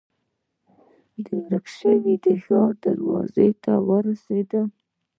د ورک شوي ښار دروازې ته ورسېدم.